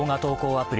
アプリ